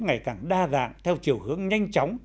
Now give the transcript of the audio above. ngày càng đa dạng theo chiều hướng nhanh chóng